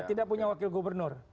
tidak punya wakil gubernur